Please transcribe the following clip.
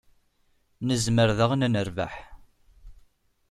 Nezmer daɣen ad nerbeḥ.